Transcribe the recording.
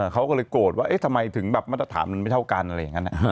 เขาก็เลยโกรธว่าเอ๊ะทำไมถึงแบบมาตรฐานมันไม่เท่ากันอะไรอย่างนั้น